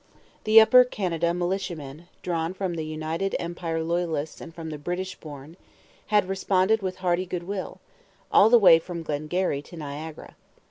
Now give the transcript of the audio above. The Upper Canada militiamen, drawn from the United Empire Loyalists and from the British born, had responded with hearty goodwill, all the way from Glengarry to Niagara.